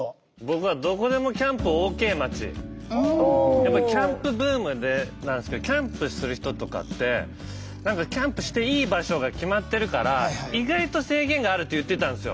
やっぱキャンプブームなんですけどキャンプする人とかって何かキャンプしていい場所が決まってるから意外と制限があるって言ってたんですよ。